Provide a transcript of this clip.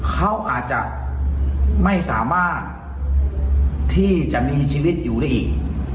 เขาอาจจะไม่สามารถที่จะมีชีวิตอยู่ได้อีก